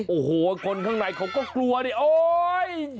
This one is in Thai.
โอ้โหคนข้างในเขาก็กลัวดิโอ๊ย